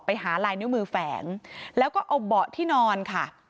ไปหาลายนิ้วมือแฝงแล้วก็เอาเบาะที่นอนค่ะ